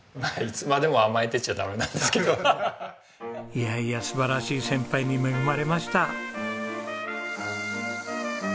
いやいや素晴らしい先輩に恵まれました。